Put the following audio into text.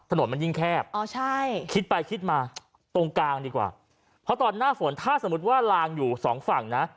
ถนนมันยิ่งแคบอ๋อใช่คิดไปคิดมาตรงกลางดีกว่าเพราะตอนหน้าฝนถ้าสมมุติว่าลางอยู่สองฝั่งนะ